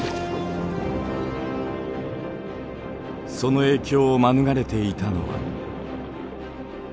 その影響を免れていたのは。